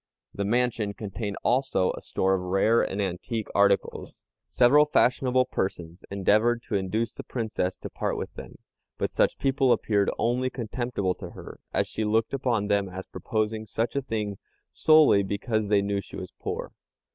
The mansion contained also a store of rare and antique articles. Several fashionable persons endeavored to induce the Princess to part with them; but such people appeared only contemptible to her, as she looked upon them as proposing such a thing solely because they knew she was poor.